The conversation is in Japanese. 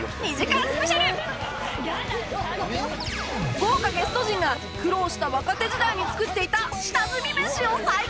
豪華ゲスト陣が苦労した若手時代に作っていた下積みメシを再現